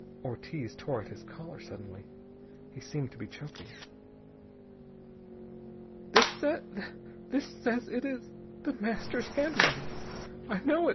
Ortiz tore at his collar, suddenly. He seemed to be choking. "This this says.... It is The Master's handwriting! I know it!